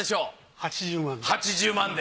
８０万で。